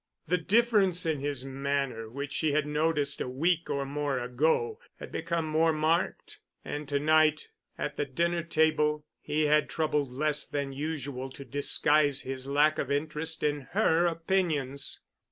The difference in his manner which she had noticed a week or more ago had become more marked, and to night at the dinner table he had troubled less than usual to disguise his lack of interest in her opinions.